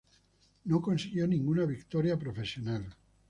No consiguió ninguna victoria profesional.